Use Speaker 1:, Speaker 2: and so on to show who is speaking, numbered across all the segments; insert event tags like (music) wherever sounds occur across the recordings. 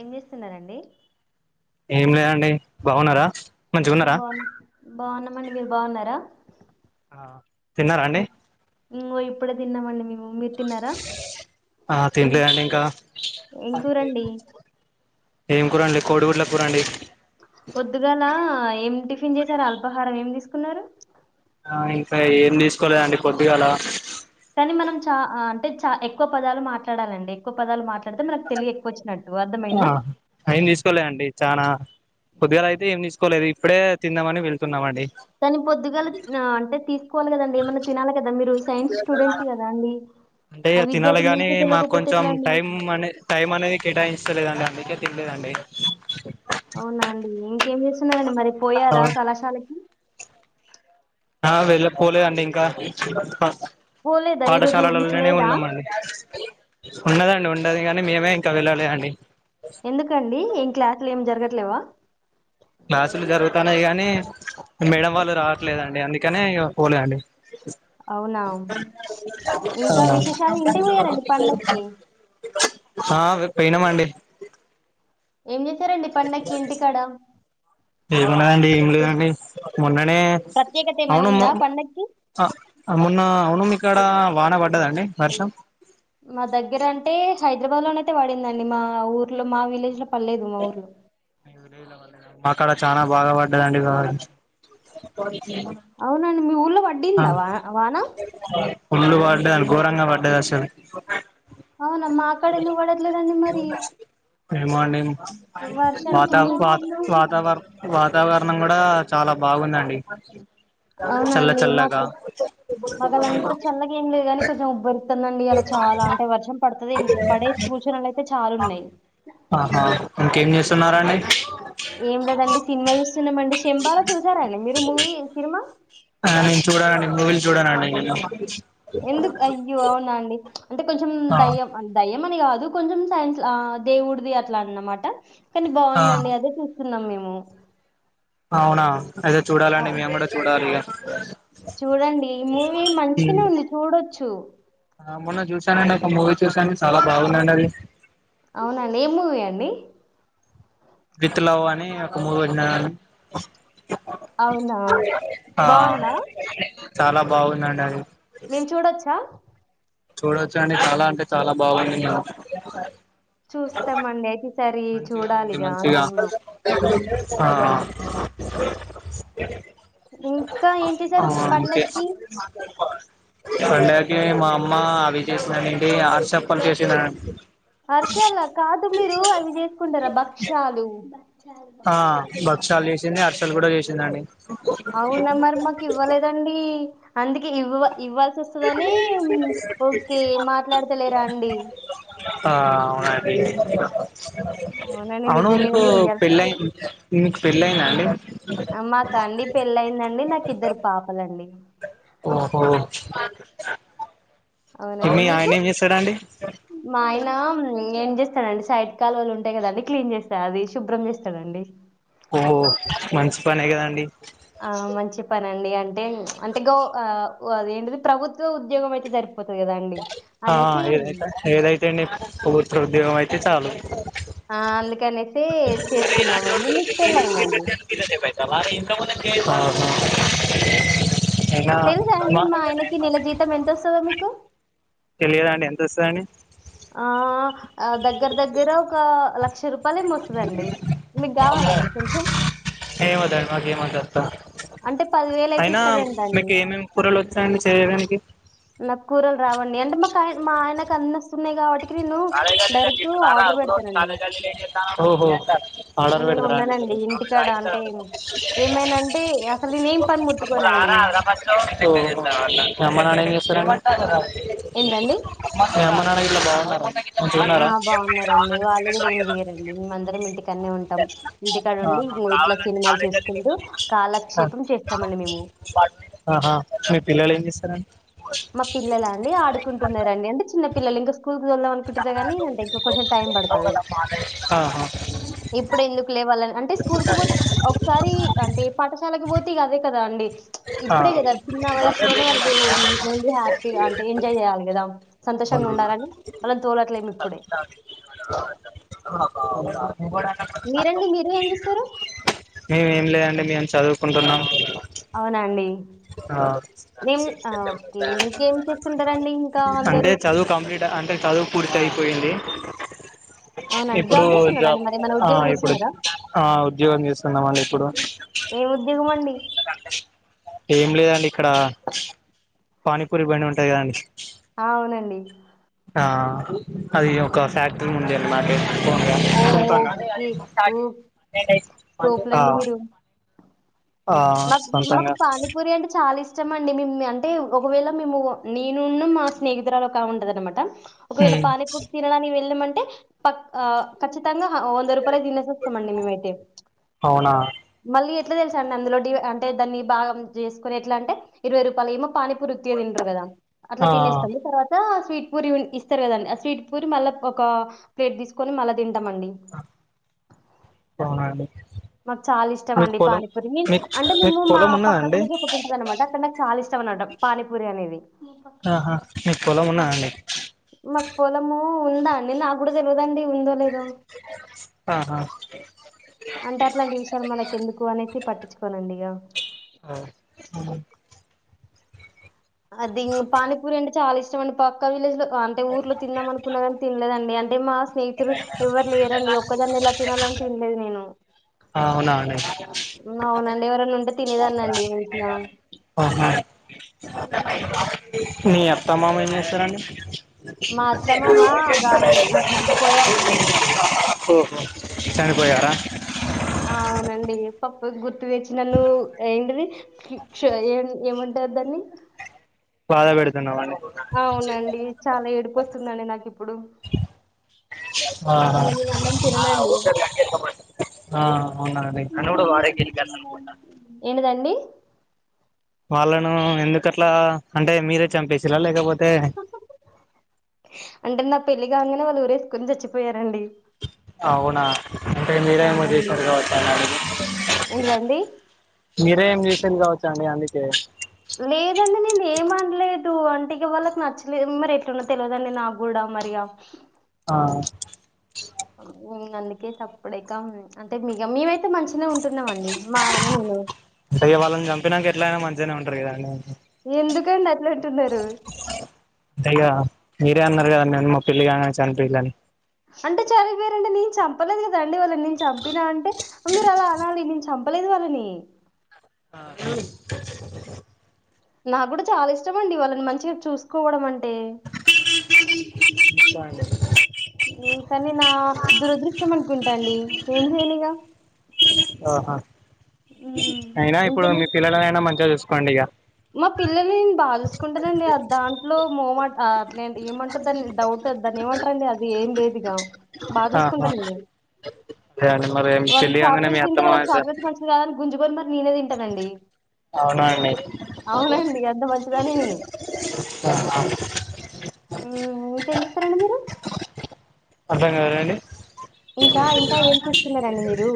Speaker 1: ఏం చేస్తున్నరండి?
Speaker 2: ఏం లేదండి. బావున్నారా?
Speaker 1: ఆ బావు బావున్నమండి. మీరు బావున్నారా?
Speaker 2: ఆ తిన్నరా అండి.
Speaker 1: ఇంగో ఇప్పుడే తిన్నమండి మేము. మీరు తిన్నారా
Speaker 2: ఆ
Speaker 1: ఏం
Speaker 2: తినలేదండి ఇంకా.
Speaker 1: ఏం కూరండి
Speaker 2: ఏం కూరండి. కోడిగుడ్ల కూరండి.
Speaker 1: పొద్దుగాల ఏం టిఫిన్ చేసారా? అల్పాహారం ఏమి తీసుకున్నరు?
Speaker 2: ఆ ఇంకా ఏం తీసుకోలేదండి పొద్దుగాల.
Speaker 1: కానీ మనం చ అంటే చ ఎక్కువ పదాలు మాట్లాడాలండి. ఎక్కువ పదాలు మాట్లా
Speaker 2: ఆ ఏం తీసుకోలే అండి చానా పొద్దుగాల అయితే ఏం తీసుకోలేదు. ఇప్ ఇప్పుడే తిందామని వెళ్తున్నాం అండి
Speaker 1: కాని పొద్దుగాల అంటే తీసు స్టూడెంట్ కదా అండి
Speaker 2: అంటే
Speaker 1: ఆ
Speaker 2: ఇ తినాలి
Speaker 1: విద్యార్థి
Speaker 2: ని
Speaker 1: మీకే
Speaker 2: మాకు
Speaker 1: తెలియకపోతే
Speaker 2: కొంచెం
Speaker 1: ఎట్లా అండి
Speaker 2: టైం అనే టైం అనేది కేటాయించలేదండి అండి అందుకే తినలేదు అండి
Speaker 1: అవునండి ఇంకేం చేస్త న్నడి మరి పోయారా కళాశాలకి
Speaker 2: ఆ వెళ్ళపోలే అండి ఇంకా
Speaker 1: పోలేదా ఈరోజు మీకు
Speaker 2: పాఠశాలలలోనే
Speaker 1: లేదా
Speaker 2: ఉన్నామండి ఉన్నదండి ఉ దు కాగానీ మేమే ఇంకా వెళ్ళాల అండి
Speaker 1: ఎందుకండి ఇం క్లాస్ లు ఏం జరగట్లేవా
Speaker 2: క్లాసులు జరుగుతున్నాయి గానీ మేడం వాళ్ళు రాట్లేదు అండి అందు ఎక్కనే పోలే అండి
Speaker 1: అవునా ఇంకా విశేషాలు ఇంటికి పోయారండి పండగకి
Speaker 2: ఆ పోయిన అండి
Speaker 1: ఎ చ్చారంండి పండక్కి ఇంటికాడ
Speaker 2: హ దండి ఏం
Speaker 1: స్పెష్-
Speaker 2: లేదండి మొన్ననే
Speaker 1: ప్రత్యేకత ఏమైనా
Speaker 2: అవునుమ్
Speaker 1: ఉందా పండక్కి
Speaker 2: మొన్న అవును మ ఇక్కడ వాన పడ్డదండి వర్షం
Speaker 1: మా దగ్గర అంటే హైదరాబాద్ లోన అయితే పడిందండి మా ఊర్లో మా విలేజ్ లో పర్లేదు మా ఊర్లో
Speaker 2: మా అక్కడ చాలా బాగా పడ్డదండి కా అ
Speaker 1: అవునండి మీ ఊర్లో పాడ్డీందా వాన వాన
Speaker 2: ఉళ్ళలు పడ్లే అ ఘోరంగా పడ్డది అసలు
Speaker 1: అవునా మా క్కడ ఎందుకు పడట్లేదు అండి మరి
Speaker 2: ఏమో అండి వాత
Speaker 1: వర్షానికి
Speaker 2: పట్టనం కూడా చాలా బాగుందండి చల్
Speaker 1: అవునండి మాకు మాకులాంతా చల్లగా ఏం లేదు కానీ కొంచెం ఉబ్బరి వందండి అలా చాలా అంటే వర్షం పడుతుంది పడే సుచనలు అయితే చాలా ఉన్నాయి
Speaker 2: ఆహా ఇంకేం చేస్తున్నారండి
Speaker 1: ఏం లేదండి సినిమా చూస్తున్నామండి చెంబలో చూసారండి మీరు మూవీ సినిమా
Speaker 2: నేను చూడనండి మూవీలు చూడనండి
Speaker 1: ఎందుకు అయ్యో అవునా అండి అంటే కొంచెం
Speaker 2: ఆ
Speaker 1: దయ్యం దయ్యం మని కాదు కొంచెం సైన్స్ దేవుడిది అట్లా అని అనమాట కానీ
Speaker 2: ఆ
Speaker 1: బాగుందండి అదే చూ న్నా మేము
Speaker 2: అవునా అదతే
Speaker 1: ఓ,
Speaker 2: చూడాలండి మేము కూడా చూడాలి
Speaker 1: చూడండి ఈ మూవీ
Speaker 2: ఇగ
Speaker 1: మంచినే ఉంది చూడొచ్చు ట్
Speaker 2: ఆ మొన్న చూసానండి ఒక మూవీ చూసాను చాలా బాగుందండి అది
Speaker 1: అవునండి ఏం మూవీ అండి
Speaker 2: విత్ లవ్ అని ఒక మూవి పెట్నరండి
Speaker 1: అవునా బాగుంద
Speaker 2: చాలా బాగుందండి అది
Speaker 1: మేము చూడొచ్చా
Speaker 2: చూడొచ్చు అండి చాలా అంటే చాలా బాగుంది మ
Speaker 1: చూస్తామండి అయితే ఈసారి
Speaker 2: మంచిగా ఉంది
Speaker 1: చూడాలిగా ఆ
Speaker 2: మంచిగా
Speaker 1: సినిమా
Speaker 2: ఆ
Speaker 1: ఇంకా ఏం
Speaker 2: ఆ
Speaker 1: చేశారు
Speaker 2: అంతే
Speaker 1: పండకి
Speaker 2: పండగకి మా అమ్మ అవి చేసినానడి ఆరు చెప్పలు చేసినాడి
Speaker 1: హర్షి అలా కాదు మీరు అ విజేత్ కుంటారా భక్ష్యాలు బా
Speaker 2: ఆ బక్ష లేసినే అర్ కూడా చేసిందండి
Speaker 1: అవునా మరి మాకు ఇవ్వలేదండి అందుకే ఇవ్వ ఇవ్వాల్సి వస్తదని ఓకే మాట్లాడతలేరా అండి
Speaker 2: అ
Speaker 1: అవునండి
Speaker 2: అవును
Speaker 1: నిజంగానే
Speaker 2: ఇకు
Speaker 1: మీరు ఇయ్యాలి
Speaker 2: పెళ్ళయి మీకు పెళ్ళ అయినా
Speaker 1: మా తండి పెళ్ళయిందండి నాకు కద్దరు పాపలండి
Speaker 2: ఓహో
Speaker 1: అవునండి
Speaker 2: మీ
Speaker 1: మీకు
Speaker 2: ఆయన ఏం చేస్తాడండి
Speaker 1: మా ఆయన ఏం చేస్తానండి సైడ్ కాలువలుు ఉంటాయి కదా అది క్లీన్ చేస్తా అది శుభ్రం చేస్తానండి
Speaker 2: ఓహో మంచి పనే కదండి
Speaker 1: ఆ మంచి పనండి అంటే అదే అంతే గో ఆ అదేంటిది ప్రభుత్వ ఉద్యోం అయితే జరిపు
Speaker 2: ఆ ఏదైత ఏదైతే అండి ప్రభుత్వ ఉద్యోగం అయితే ఇ చాలు
Speaker 1: ఆ అందుకనేసి చేసుకున్నామండి మీకు పెళ్ళయిందండి
Speaker 2: (unintelligible) అయినా
Speaker 1: తెలుసా అండి మా ఆయనకి నీల జీతం ఎంత వస్తుందో మీకు
Speaker 2: తెలియదండి ఎంత వస్తుంద అండి
Speaker 1: ఆ దగ్గర దగ్గర ఒక లక్ష రూపాయలే మోస్తుదండి
Speaker 2: అమ్మో ఏం వద్దు అండి మాకేమి వద్దు
Speaker 1: అంటే పదివేలు అయితే
Speaker 2: అయినా
Speaker 1: ఇస్తాడంట అండి
Speaker 2: మీకు ఏమేమి కూరలు వచ్చాయండి చేయడానికి
Speaker 1: నా కూరలు రావండి అంటే మాకు ఆయన క అన్న వస్తున్నాయి కాబట్టి
Speaker 2: కాలేజ కాలజ్ ఓహో ఆర్డర్
Speaker 1: నేను
Speaker 2: పెడతారా అండి
Speaker 1: ఉండనండి ఇంటికాడ అంటే ఏమైందంటే అసలు నేను ఏం పని ముట్టుకోనండి
Speaker 2: మీరు (unintelligible)
Speaker 1: ఏందండి
Speaker 2: (unintelligible) మంచిగా ఉన్నారా
Speaker 1: ఆ బాగున్నారండి వాళ్ళు కూడా ఏం చేయరండి మేమందరం ఇంటికనే ఉంటాం ఇంటికాడ ఉండి
Speaker 2: ఆహా.
Speaker 1: ఇట్లా సినిమాలు చూసుకుంటూ కాలక్షేపం చేస్తామండి మేము
Speaker 2: ఆ. ఆహా. మీ (unintelligible)
Speaker 1: మా పిల్ల అండి ఆడుకుంటున్నారండి అంటే చిన్న పల్లలు ఇంకా స్కూల్కిి వెళ్దామ అంటే ఇంకా కొంచెం టైమ్ పడతాది
Speaker 2: ఆహా.
Speaker 1: ఇప్పుడే ఇల్లు (unintelligible) స్కూల్ క పో ఒకసారి అంటే పాఠశాలకి పోతే కదే కద ండి
Speaker 2: ఆ
Speaker 1: వాళ్ళు
Speaker 2: (inaudible)
Speaker 1: ఏంది హ్యాపీగా అంటే ఎజాయ్ జేయాలి గదా అ ఇప్పుడే.
Speaker 2: (inaudible)
Speaker 1: మీరండి మీరు ఏం చేస్తారు?
Speaker 2: మేం లేదండి మేం చదువు కుంటున్నాను
Speaker 1: అవునా అండి మేము ఆ ఓకే ఇంకేం చేస్తుంటారండి ఇంకా
Speaker 2: అంటే
Speaker 1: అందరూ?
Speaker 2: చదువు కంప్లీట్ అంటే చదువు పూర్తి అయిపోయింది.
Speaker 1: అవునండి.
Speaker 2: ఇప్పుడు
Speaker 1: చేస్తున్నారా అండి?
Speaker 2: జాబ్
Speaker 1: మరేమైనా
Speaker 2: ఆ
Speaker 1: ఉద్యోగం
Speaker 2: ఇప్పుడు
Speaker 1: చేస్తున్నారా?
Speaker 2: ఆ ఉద్యోగం చేస్తున్నాం అండి ఇప్పుడు,
Speaker 1: ఏం ఉద్యోగం అండి?
Speaker 2: ఏం లేదండి. ఇక్కడ పానీపూరి బండి ఉంటయి కదండి?
Speaker 1: ఆ! అవునండి.
Speaker 2: ఆ అది ఒక ఫ్యాక్టరీ వుంది అన్నమాట. ఓన్ గా,
Speaker 1: ఓహ్!
Speaker 2: సొంతంగా.
Speaker 1: ఓకే. ఓహ్!
Speaker 2: ఆ
Speaker 1: తోపులండి మీరు.
Speaker 2: ఆ
Speaker 1: మాకు మాకు
Speaker 2: సొంతంగా
Speaker 1: పానీపూరి అంటే చాలా ఇస్ చమండి మేం అంటే ఒకవేళ మేము నేనున్నూ మా స్నేహితురాలొకామే ఉంటదన్నమాట. ఒకవేళ పానీపురి తినడానికి వెళ్ళినమంట్ టె పప్ ఆ కచ్చితంగా వంద రూపాయలై తినేసొస్తమండి మేమైతే,
Speaker 2: అవునా
Speaker 1: మళ్ళీ ఎప్ ఎట్ల తెల్స అండి అందులో డివై అంటే దాన్ని బాగం జేస్కొని ఎట్లా అంటే ఇరవై రూపాయలేమో పాని పురి ఉత్తిగ తింటరు గదా అట్లా
Speaker 2: ఆ
Speaker 1: తినేస్తండి, తర్వాత స్వీట్ పూరి ఇస్తరు గదండి, ఆ స్వీట్ పురి మళ్ళ ఒక ప్లేట్ దీస్కొని మళ్ళా తింటామండి
Speaker 2: పోరా అండి
Speaker 1: మాకు చాలా ఇష్టం అండి పానీపూరి,
Speaker 2: మీకు
Speaker 1: అంటే
Speaker 2: మీకు
Speaker 1: మేము మా
Speaker 2: పొలం
Speaker 1: పక్క
Speaker 2: ఉన్నదండి
Speaker 1: విలేజ్ ఒకటి ఉంటదన్నమాట అక్కడ నాకు చాలా ఇష్టం అనమాట పానీపూరి అనేది.
Speaker 2: ఆహా మీకు పొలం ఉన్నదండి
Speaker 1: మాక్పొలము ఉందా అండి నాగ్గుడా తెలవదండి.
Speaker 2: ఆహా
Speaker 1: అంటే అట్లాంటి విషయాలు మనకి ఎందుకు అనేసి పట్టించుకోనండి ఇగ. అదీ పానిపురి అంటే చాలా ఇష్టం అండి పక్క విలేజ్ లో అంటే ఊర్లో తిందామనుకున్న గానీ తినలేదండి అందు కే మాస్ స్నేహితులు ఎవర్లేరండి ఒక్కదాన్నెలా తినాలని తినలేదు నేను.
Speaker 2: అవునా అండి,
Speaker 1: అవునండి ఎవరన్నా ఉంటే తినేదాన్నండి మంచిగా.
Speaker 2: ఆహా మీ అత్తమామ ఏం చేస్తారంండి
Speaker 1: మా అత్త మామ గాదండి అంత పోయారండి
Speaker 2: చనిపోయార
Speaker 1: అవునండి పప్పు గుర్ ర్తుచ్చి నన్ను ఏంటిదిి కిచ్ ఏమంట ద్దాన్ని
Speaker 2: బాధ పెడుతున్నామండి
Speaker 1: అవునండి చాల ఏడ్పు వస్త స్తుందండి నా కిప్ ఇంక నేను
Speaker 2: ఆహ
Speaker 1: అన్నం తిననండి
Speaker 2: (inaudible)
Speaker 1: ఏంటి దండి
Speaker 2: వాళ్ళను ఎందుకట్లా అంటే మీరే చంపేసిరా లేకపోతే
Speaker 1: అంటే నా పెళ్లి గానిదే (unintelligible) ఊరేసుకుని చచ్చిపోయారండి
Speaker 2: అవునా అంటే మీరే ఏమో
Speaker 1: అవునండి
Speaker 2: చేసినారు కావచ్చు అ
Speaker 1: ఏంటిదండి
Speaker 2: మీరే ఏం చేస్ (unintelligible) కావచ్చ అండి అందుకే
Speaker 1: లేదండి నేన్ ఏం అనలేద్ తు ఆంటికి వాళ్ళకి నచ్చలేదు మరి ఎట్లున్నా తెలియదండి నాకు కూడా మరిగా
Speaker 2: ఆయ్
Speaker 1: అందుకే సప్పుడిక అంటే మిగ మేమైతే మంచిినె ఉంటున్నాంండి మా ఆయన నేను
Speaker 2: ఇద్దర్నె ఉంటర్ గదంది.
Speaker 1: ఎందుకండి అట్ల అంటున్నారు
Speaker 2: అంతే ఇగ మీరే అన్నారు కదండి మా పెళ్ళి కాగానే చనిపోయిద్ధని
Speaker 1: అంటే చనిపోయారంటె నేను చెప్పలేదు కదండి వాళ్ళని నేను చంపినా అంటే మీరు అలా అనాలి నేను చంపలేదు వాళ్ళని
Speaker 2: (inaudible)
Speaker 1: నా కూడా చాల ఇష్టమ అండి వాళ్ళని మంచిగా చూసుకోవడం అంటే ఉమ్ కానీ నా దురదృష్టం అనుకుంటండి ఏం చేయనిగా
Speaker 2: తాహా
Speaker 1: ఉమ్,
Speaker 2: అయిన ఇప్పుడు
Speaker 1: ఇంకేం చే-
Speaker 2: మీ పిల్లల కయినా మంచిగా చూస్త కొండిగా
Speaker 1: మా పిల్లల్ని నేను బాగా. చూసుకుంటానండి దాంట్లో మోమట్ అట్ల ఏమంటారు దాన్ని డౌట్ వ దాన్ని ఏమంటారంండి అది ఏం లేదుగా బాగ
Speaker 2: ఆహా
Speaker 1: చూసుకుంటాను
Speaker 2: అదే అండి మరి మీ
Speaker 1: వాళ్ళు
Speaker 2: పెళ్లి కాంగానే మీ
Speaker 1: చాక్లెట్ తింటే
Speaker 2: అత్తమ్మ
Speaker 1: వాళ్ళకి చాక్లెట్ మంచిది కాదని గు గుంజుకొని మరి నేనే తింటానండి
Speaker 2: అవునా అండి అదె
Speaker 1: అవునండి అంత మంచిదాన్ని నేను
Speaker 2: (inaudible)
Speaker 1: ఊమ్ ఇంకెం చేస్తరండి మీ రు
Speaker 2: అర్థం కాలేదండి
Speaker 1: ఇంకా ఇంకా ఏం చేస్తున్నారండి మీరు?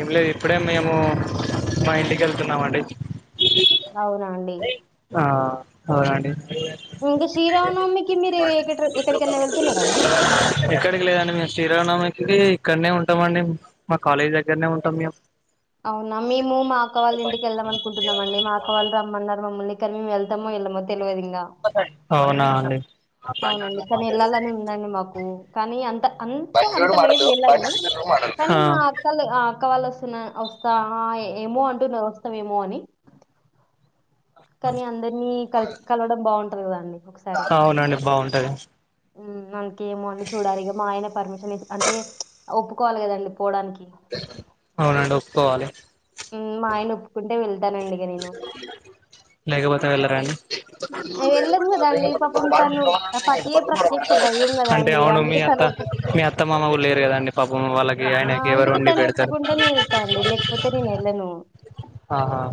Speaker 2: ఏం లేదు ఇప్పుడే మేము మా ఇంటికి వెళ్తున్నామండి.
Speaker 1: అవునా అండి?
Speaker 2: ఆ అవునండి.
Speaker 1: ఇంకా శ్రీరామనవమికి మీరు ఎక్కట్ ఎక్కడ ఎక్కడికన్నా వెళ్తున్నారా అండి?
Speaker 2: లే ఇక్కడనే ఉంటాం అండి మా కాలేజ్ దగ్గరనే ఉంటాం మేము
Speaker 1: అవునా మేము మా అక్క వాళ్ళ ఇంటికి వెళ్దామనుకుంటున్నామండి. మా అక్క వాళ్ళు రమ్మన్నారు మమ్మల్ని కానీ మేము వెళ్తాము వెళ్ళమో తెలియదు. ఇ
Speaker 2: అవునా అండి?
Speaker 1: అవునండి కానీ వెళ్ళాలని ఉందండి మాకు. కానీ అంత అంత
Speaker 2: బండి
Speaker 1: అంత
Speaker 2: కూడా
Speaker 1: లేదు
Speaker 2: మడలు బండి
Speaker 1: వెళ్ళాలని
Speaker 2: సీరు మడలు
Speaker 1: కానీ మా అక్కోల్లె ఆ అక్క వాళ్ళు వస్తున్న వస్తా ఆ ఏమో అంటున్నారు వస్తావేమో అని. కానీ అందరినీ కల్ కలవడం బావుం (unintelligible) అండి
Speaker 2: అవునండి బావుంటది
Speaker 1: ఉమ్ ఇంకేమో అండి చూడాలి ఇగ మా ఆయన పర్మిషన్ ఇస్ అంటే ఒప్పుకోవాలి కదండి. పోవడానికి
Speaker 2: అవునండి ఒప్పుకోవాలి.
Speaker 1: ఉమ్ మా ఆయన ఒప్పుకుంటే వెళ్
Speaker 2: లేకపోతే వెళ్ళరా అండి?
Speaker 1: (unintelligible) వెళ్ళం కదండి పాపం తను ఆ పతియే ప్రత్యక్ష దైవం
Speaker 2: అంటే
Speaker 1: కదండి
Speaker 2: అవును మీ
Speaker 1: అందుకే
Speaker 2: అత్త
Speaker 1: తను ఒప్పు
Speaker 2: మీ అత్త మామ కూడా లేరు కదండి పాపం వాళ్ళకి
Speaker 1: ఆ
Speaker 2: ఆయనకి ఎవరు
Speaker 1: అందుకే
Speaker 2: వండి
Speaker 1: తను
Speaker 2: పెడతారు
Speaker 1: ఒప్పుకుంటే నే వెళ్తా అండి లేకపోతే నేను వెళ్ళను.
Speaker 2: ఆహా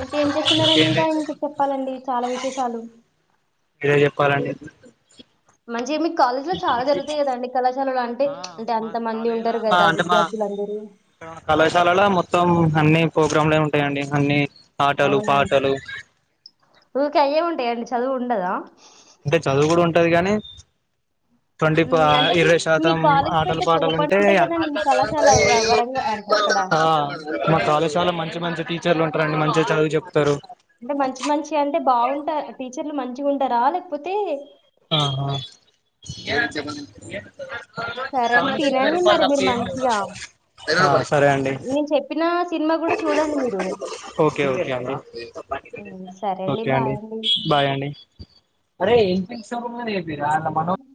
Speaker 1: ఇంకేం చేస్తున్నారండి?
Speaker 2: ఇంకేంటి
Speaker 1: ఇంకా ఇం కా చెప్పాలండి చాలా విశేష్ చాలు
Speaker 2: మీరే చెప్పాలండి
Speaker 1: మంచిగా మీ
Speaker 2: ఆ
Speaker 1: అంటే
Speaker 2: మా
Speaker 1: అంత మంది
Speaker 2: కాలేజీల
Speaker 1: ఉంటారు
Speaker 2: మా
Speaker 1: కదా
Speaker 2: అంటే మా
Speaker 1: విద్యార్థులందరూ
Speaker 2: ఇక్కడున్న కళాశాలల మొత్తం అన్ని ప్రోగ్రామ్లే ఉంటాయండి అన్ని. ఆటలు
Speaker 1: అవునండి
Speaker 2: పాటలు
Speaker 1: ఊకే అయ్యే ఉంటాయా అండి. చ్ చదువు ఉండదా?
Speaker 2: అంటే చదువు గూడ ఉంటది గానీ ట్వంటీ ప
Speaker 1: హ్మ్.
Speaker 2: ఆ
Speaker 1: అంటే మీ
Speaker 2: ఇరవై
Speaker 1: మీ
Speaker 2: శాతం
Speaker 1: కాలేజ్
Speaker 2: ఆటలు
Speaker 1: పెద్ద
Speaker 2: పాటలుంటే,
Speaker 1: తోపంట గదండీ! మీ కళాశాల వ వరంగా అంటే అక్కడ.
Speaker 2: ఆ మా కళాశాల మంచి మంచి టీచర్లు ఉంటారండి. మంచిగా చదువు చెప్
Speaker 1: అంటే మంచి మంచి అంటే బావుంటా టీచర్లు మంచ్ ఉంటరా లేకపోతే
Speaker 2: ఆహా
Speaker 1: సరే అండి. తినండి మరి మీరు మంచిగా.
Speaker 2: సరే అండి
Speaker 1: నేను చెప్పిన సినిమా గూడా చూడండి మీరు.
Speaker 2: ఓకే ఒకే అండి
Speaker 1: హ్మ్. సరే
Speaker 2: ఒకే అండి
Speaker 1: బాయ్
Speaker 2: బాయ్ అండి రా అ మన